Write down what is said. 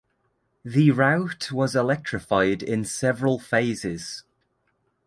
The route was electrified in several phases.